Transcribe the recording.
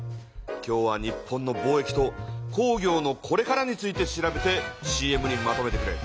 今日は「日本の貿易と工業のこれから」について調べてＣＭにまとめてくれ。